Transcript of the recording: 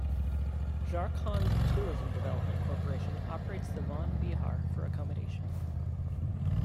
Jharkhand Tourism Development Corporation operates the Van Vihar for accommodation.